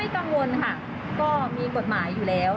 กังวลค่ะก็มีกฎหมายอยู่แล้ว